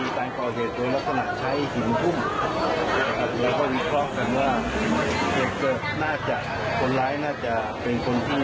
ต่อมานะครับจนกระทั่งได้ตัวภรรยาคนที่๓